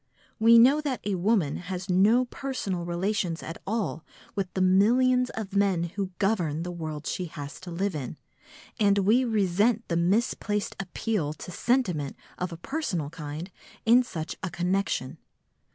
We know that a woman has no personal relations at all with the millions of men who govern the world she has to live in, and we resent the misplaced appeal to sentiment of a personal kind in such a connection.